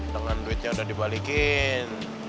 dengan duitnya udah dibalikin